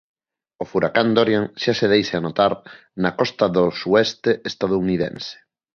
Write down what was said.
O furacán Dorian xa se deixa notar na costa dor sueste estadounidense.